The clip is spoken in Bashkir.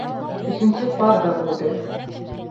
Өсөнсө пар ҙа булды!